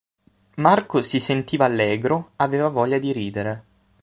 Marco si sentiva allegro, aveva voglia di ridere.